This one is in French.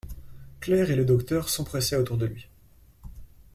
Claire et le docteur s'empressaient autour de lui.